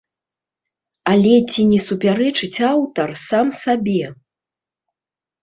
Але ці не супярэчыць аўтар сам сабе?